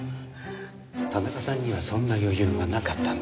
田中さんにはそんな余裕がなかったんですよ。